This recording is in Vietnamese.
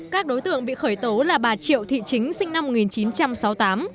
các đối tượng bị khởi tố là bà triệu thị chính sinh năm một nghìn chín trăm sáu mươi tám